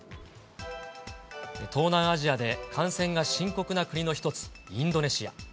東南アジアで感染が深刻な国の一つ、インドネシア。